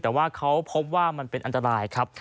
แต่ว่าเขาพบว่ามันเป็นอันตรายครับ